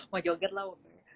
mau joget lah